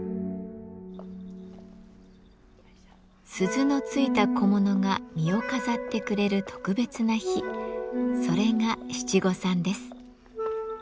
鈴のついた小物が身を飾ってくれる特別な日それが七五三です。